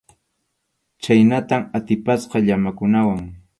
Chhaynatam atipasqa llamakunawan.